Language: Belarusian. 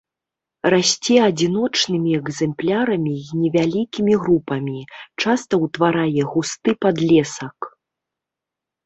Расце адзіночнымі экземплярамі і невялікімі групамі, часта ўтварае густы падлесак.